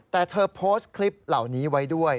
แต่เธอโพสต์คลิปเหล่านี้ไว้ด้วย